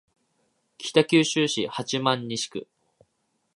北九州市八幡西区